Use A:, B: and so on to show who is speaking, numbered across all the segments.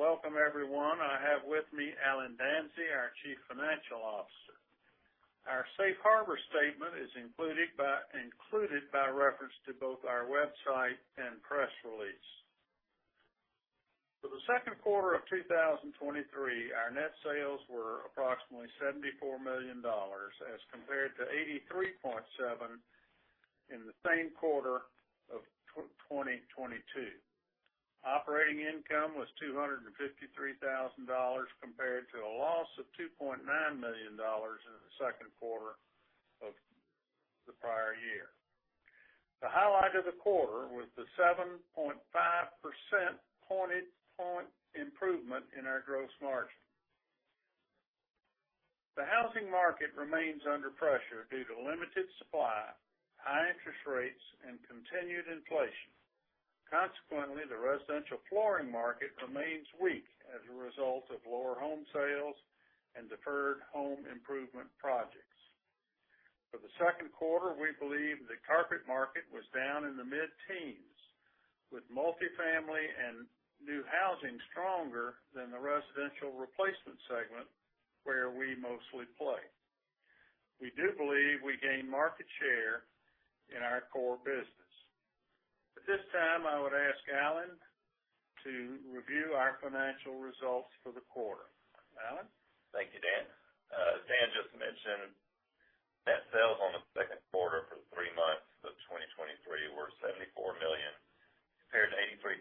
A: Welcome, everyone. I have with me Allen Danzey, our Chief Financial Officer. Our safe harbor statement is included by reference to both our website and press release. For the second quarter of 2023, our net sales were approximately $74 million, as compared to $83.7 million in the same quarter of 2022. Operating income was $253,000, compared to a loss of $2.9 million in the second quarter of the prior year. The highlight of the quarter was the 7.5% pointed point improvement in our gross margin. The housing market remains under pressure due to limited supply, high interest rates, and continued inflation. Consequently, the residential flooring market remains weak as a result of lower home sales and deferred home improvement projects. For the second quarter, we believe the carpet market was down in the mid-teens, with multifamily and new housing stronger than the residential replacement segment, where we mostly play. We do believe we gained market share in our core business. At this time, I would ask Allen to review our financial results for the quarter. Allen?
B: Thank you, Dan. As Dan just mentioned, net sales on the second quarter for the three months of 2023 were $74 million, compared to $83.7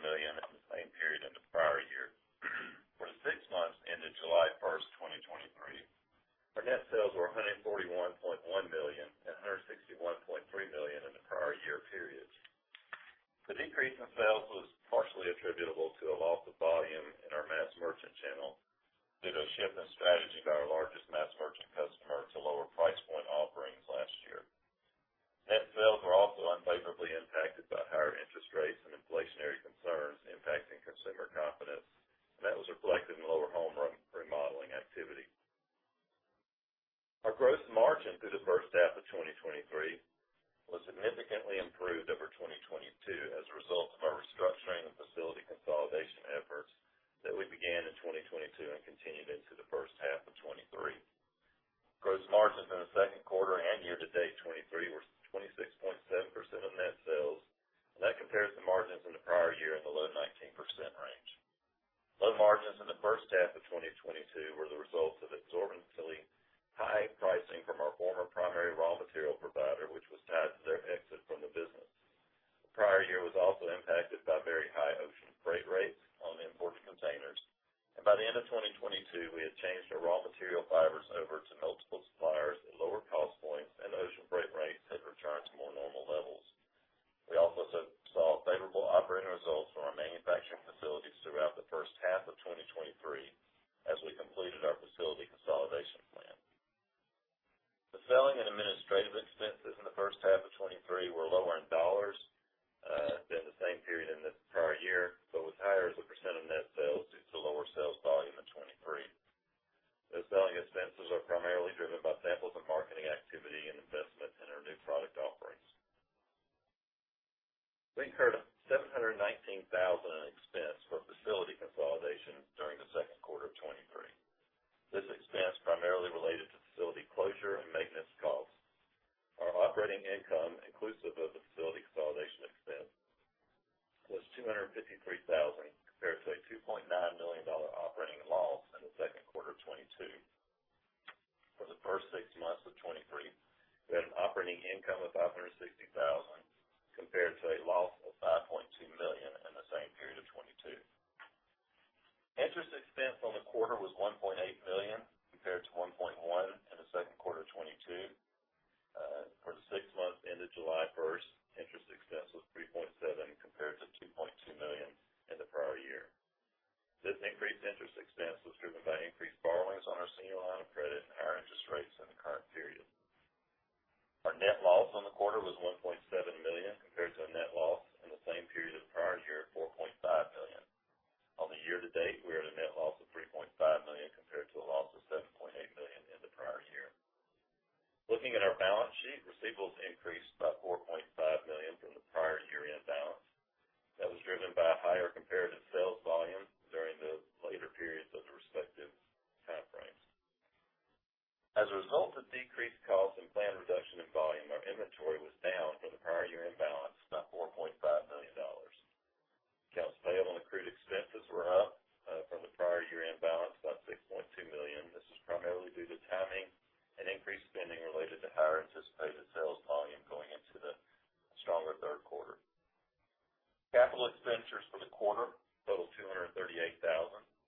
B: million in the same period in the prior year. For the six months ended July 1st, 2023, our net sales were $141.1 million and $161.3 million in the prior year periods. The decrease in sales was partially attributable to a loss of volume in our mass merchant channel due to a shift in strategy by our largest mass merchant customer to lower price point offerings last year. Net sales were also unfavorably impacted by higher interest rates and inflationary concerns impacting consumer confidence, and that was reflected in lower home remodeling activity. Our gross margin through the first half of 2023 was significantly improved over 2022 as a result of our restructuring and facility consolidation efforts that we began in 2022 and continued into the first half of 2023. Gross margins in the second quarter and year-to-date 2023 were 26.7% of net sales, and that compares to margins in the prior year in the low 19% range. Low margins in the first half of 2022 were the result of exorbitantly high pricing from our former primary raw material provider, which was tied to their exit from the business. The prior year was also impacted by very high ocean freight rates on imported containers, and by the end of 2022, we had changed our raw material fibers over to multiple suppliers at lower cost points, and ocean freight rates had returned to more normal levels. We also saw Interest expense on the quarter was $1.8 million, compared to $1.1 million in the second quarter of 2022. For the six months ended July 1st, interest expense was $3.7 million, compared to $2.2 million in the prior year. This increased interest expense was driven by increased borrowings on our senior line of credit and higher interest rates in the current period. Our net loss on the quarter was $1.7 million, compared to a net loss in the same period of the prior year of $4.5 million. On the year-to-date, we are at a net loss of $3.5 million, compared to a loss of $7.8 million in the prior year. Looking at our balance sheet, receivables increased by $4.5 million from the prior year-end balance. That was driven by a higher comparative sales volume during the later periods of the respective time frames. As a result of decreased costs and planned reduction in volume, our inventory was down for the prior year-end balance, about $4.5 million. Accounts payable and accrued expenses were up from the prior year-end balance, about $6.2 million. This is primarily due to timing and increased spending related to higher anticipated sales volume going into the stronger third quarter. Capital expenditures for the quarter, total $238,000.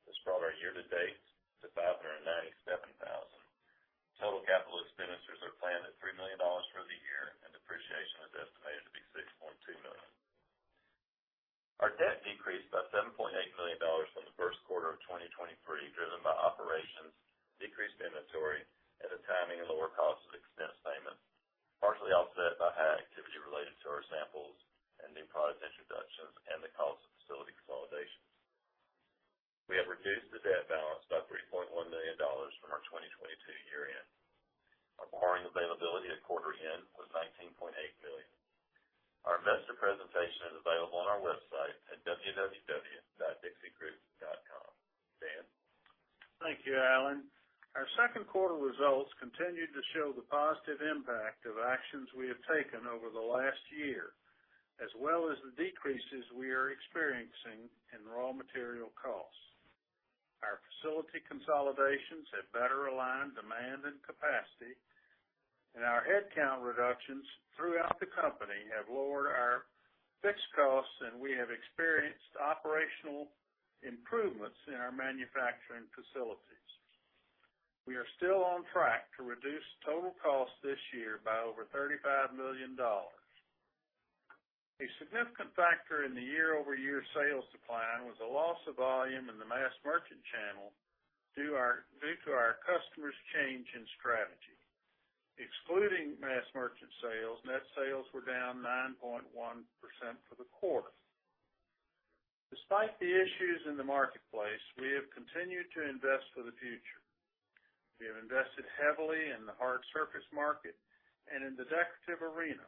B: This brought our year-to-date to $597,000. Total capital expenditures are planned at $3 million for the year, and depreciation is estimated to be $6.2 million. Our debt decreased by $7.8 million from the first quarter of 2023, driven by operations, decreased inventory,
A: quarter results continued to show the positive impact of actions we have taken over the last year, as well as the decreases we are experiencing in raw material costs. Our facility consolidations have better aligned demand and capacity. Our headcount reductions throughout the company have lowered our fixed costs, and we have experienced operational improvements in our manufacturing facilities. We are still on track to reduce total costs this year by over $35 million. A significant factor in the year-over-year sales decline was a loss of volume in the mass merchant channel due to our customers' change in strategy. Excluding mass merchant sales, net sales were down 9.1% for the quarter. Despite the issues in the marketplace, we have continued to invest for the future. We have invested heavily in the hard surface market and in the decorative arena,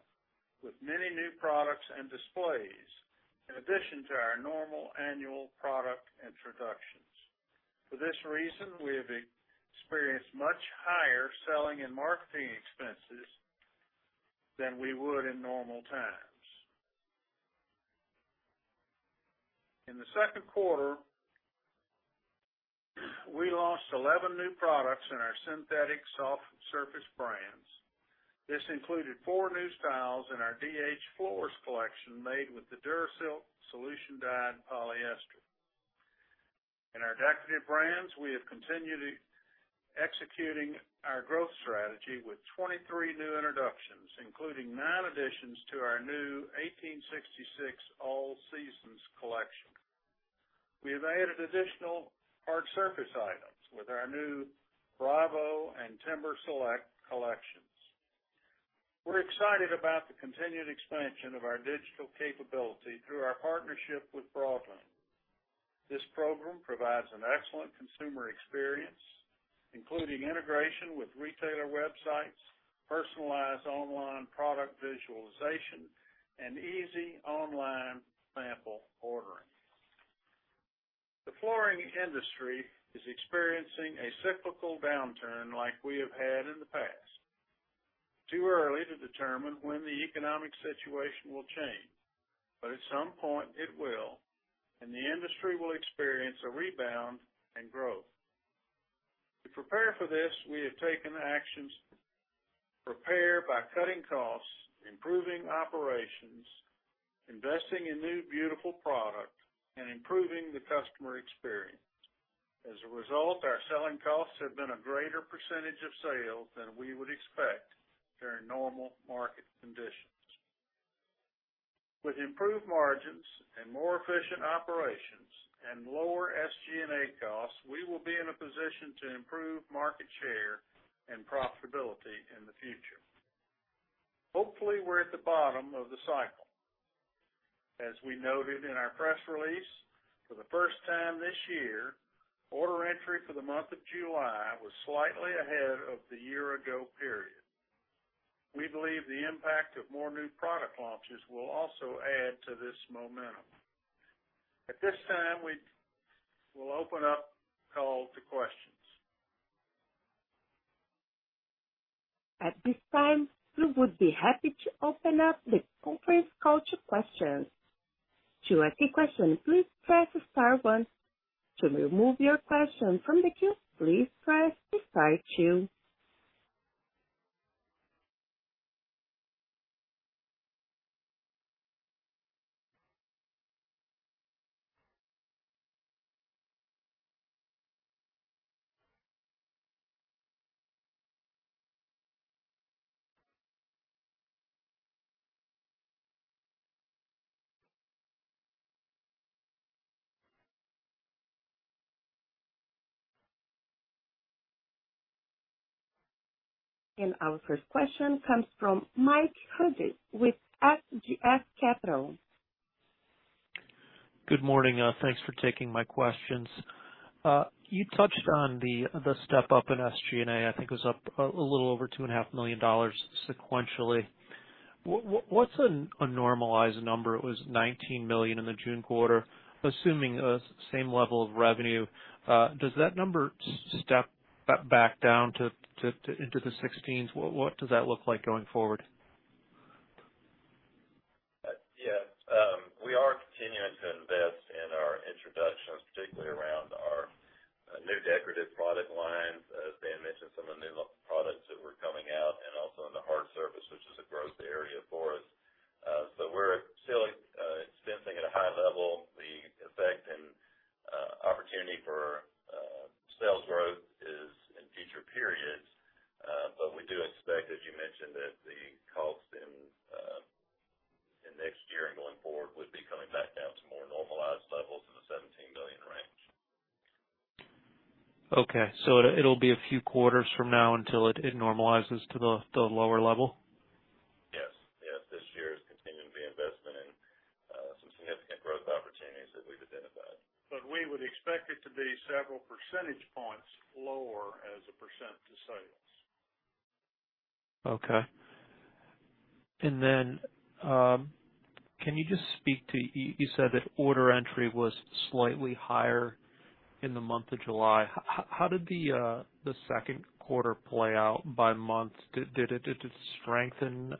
A: with many new products and displays, in addition to our normal annual product introductions. For this reason, we have experienced much higher selling and marketing expenses than we would in normal times. In the second quarter, we launched 11 new products in our synthetic soft surface brands. This included four new styles in our DH Floors collection, made with the DuraSilk solution-dyed polyester. In our decorative brands, we have continued executing our growth strategy with 23 new introductions, including nine additions to our new 1866 All Seasons collection. We have added additional hard surface items with our new Bravo and TYMBR Select collections. We're excited about the continued expansion of our digital capability through our partnership with Broadlume. This program provides an excellent consumer experience, including integration with retailer websites, personalized online product visualization, and easy online sample ordering. The flooring industry is experiencing a cyclical downturn like we have had in the past. Too early to determine when the economic situation will change, but at some point, it will, and the industry will experience a rebound and growth. To prepare for this, we have taken actions to prepare by cutting costs, improving operations, investing in new, beautiful product, and improving the customer experience. As a result, our selling costs have been a greater percentage of sales than we would expect during normal market conditions. With improved margins and more efficient operations and lower SG&A costs, we will be in a position to improve market share and profitability in the future. Hopefully, we're at the bottom of the cycle. As we noted in our press release, for the first time this year, order entry for the month of July was slightly ahead of the year ago period. We believe the impact of more new product launches will also add to this momentum. At this time, we will open up the call to questions.
C: At this time, we would be happy to open up the conference call to questions. To ask a question, please press star one. To remove your question from the queue, please press star two. Our first question comes from Mike Hughes with SGF Capital.
D: Good morning. Thanks for taking my questions. You touched on the step up in SG&A. I think it was up $2.5 million sequentially. What's a normalized number? It was $19 million in the June quarter. Assuming a same level of revenue, does that number step back down to into the 16s? What does that look like going forward?
B: Yeah, we are continuing to invest in our introductions, particularly around our new decorative product lines. As Dan mentioned, some of the new products that were coming out, and also in the hard surface, which is a growth area for us. We're still sensing at a high level the effect and opportunity for sales growth is in future periods. We do expect, as you mentioned, that the cost in next year and going forward would be coming back down to more normalized levels in the $17 million range.
D: It'll, it'll be a few quarters from now until it, it normalizes to the, the lower level?
B: Yes. Yes. This year is continuing the investment in some significant growth opportunities that we've identified.
A: But we would expect it to be several percentage points lower as a percent to sales.
D: Okay. Can you just speak to, you said that order entry was slightly higher in the month of July. How, how did the second quarter play out by month? Did it strengthen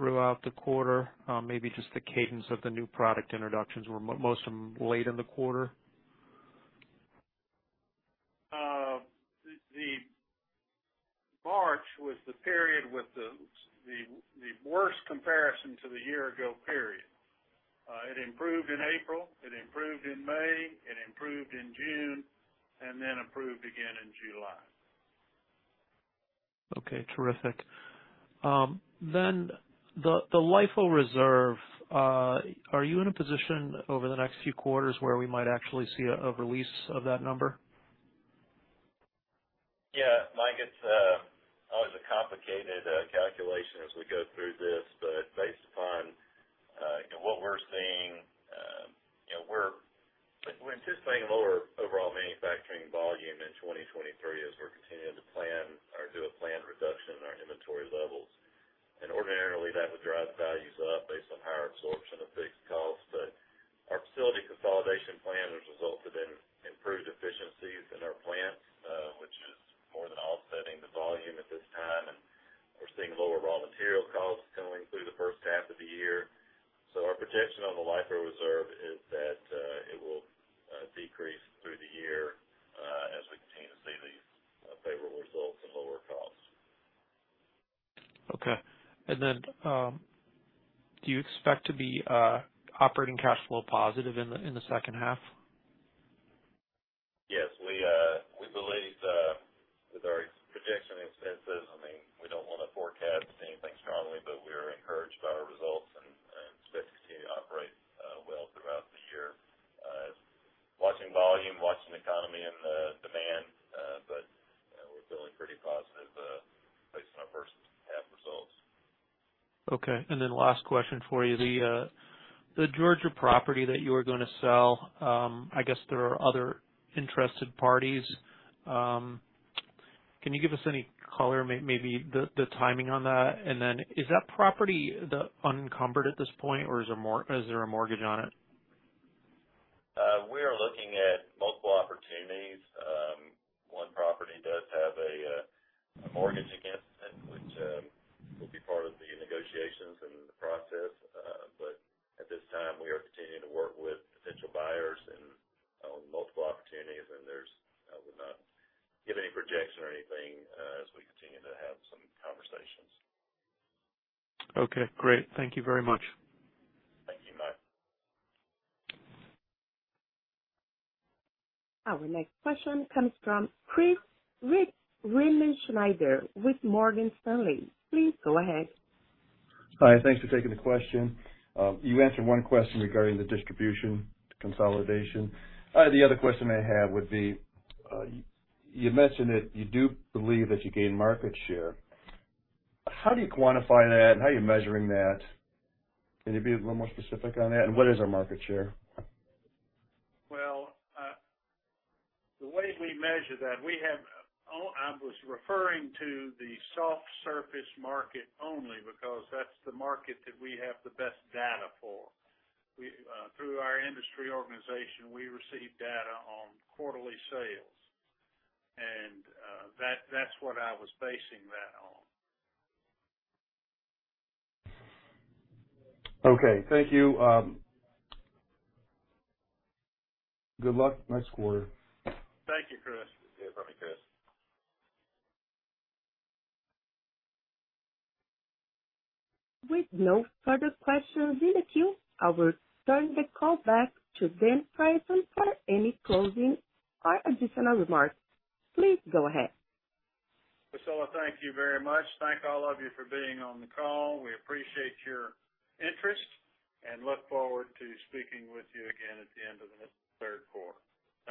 D: throughout the quarter? Maybe just the cadence of the new product introductions were most of them late in the quarter?
A: The, the March was the period with the, the, the worst comparison to the year ago period. It improved in April, it improved in May, it improved in June, and then improved again in July.
D: Okay, terrific. The, the LIFO reserve, are you in a position over the next few quarters where we might actually see a, a release of that number?
B: Yeah, Mike, it's always a complicated calculation as we go through this. Based upon, you know, what we're seeing, you know, we're, we're anticipating lower overall manufacturing volume in 2023 as we're continuing to plan or do a planned reduction in our inventory levels. Ordinarily, that would drive values up based on higher absorption of fixed costs. Our facility consolidation plan has resulted in improved efficiencies in our plants, which is more than offsetting the volume at this time, and we're seeing lower raw material costs going through the first half of the year. Our projection on the LIFO reserve is that it will decrease through the year as we continue to see these favorable results and lower costs.
D: Okay. Do you expect to be operating cash flow positive in the second half?
B: Yes. We, we believe, with our projection and expenses, I mean, we don't want to forecast anything strongly, but we are encouraged by our results and, and expect to continue to operate, well throughout the year. Watching volume, watching the economy and the demand, but, we're feeling pretty positive, based on our first half results.
D: Okay, last question for you. The Georgia property that you are going to sell, I guess there are other interested parties. Can you give us any color, maybe the timing on that? Is that property unencumbered at this point, or is there a mortgage on it?
B: We are looking at multiple opportunities. One property does have a mortgage against it, which will be part of the negotiations and the process. At this time, we are continuing to work with potential buyers and multiple opportunities. I would not give any projection or anything as we continue to have some conversations.
D: Okay, great. Thank you very much.
B: Thank you, Mike.
C: Our next question comes from Chris Riemenschneider with Morgan Stanley. Please go ahead.
E: Hi, thanks for taking the question. You answered one question regarding the distribution consolidation. The other question I had would be, you mentioned that you do believe that you gained market share. How do you quantify that, and how are you measuring that? Can you be a little more specific on that? What is our market share?
A: Well, the way we measure that, we have, all, I was referring to the soft surface market only because that's the market that we have the best data for. We, through our industry organization, we receive data on quarterly sales, and, that, that's what I was basing that on.
E: Okay. Thank you, good luck. Nice quarter.
A: Thank you, Chris.
B: Yeah, thank you, Chris.
C: With no further questions in the queue, I will turn the call back to Dan Frierson for any closing or additional remarks. Please go ahead.
A: Priscilla, thank you very much. Thank all of you for being on the call. We appreciate your interest and look forward to speaking with you again at the end of the third quarter. Thank you.